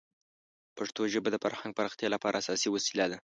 پښتو ژبه د فرهنګ پراختیا لپاره اساسي وسیله ده.